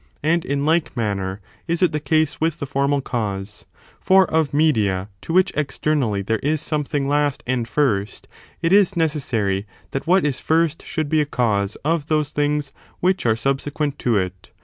And, in like manner, is it the case with the formal cause. For of media, to which externally there is something last and first, it is neces sary that what is first should be a cause of those things which are subsequent to it.